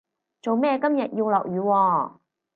做咩今日要落雨喎